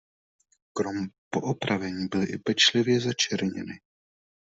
Krom poopravení byly i pečlivě začerněny.